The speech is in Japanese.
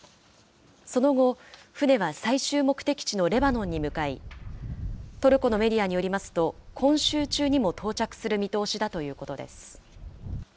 その後、船は最終目的地のレバノンに向かい、トルコのメディアによりますと、今週中にも到着する見通しだということです。